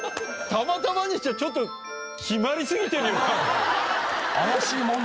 たまたまにしてはちょっと決まりすぎてねえか？